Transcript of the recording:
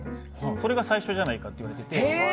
それが最初じゃないかといわれていて。